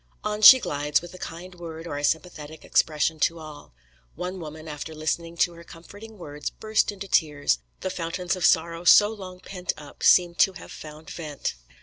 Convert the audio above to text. On she glides, with a kind word or a sympathetic expression to all. One woman, after listening to her comforting words, burst into tears the fountains of sorrow so long pent up seemed to have found vent.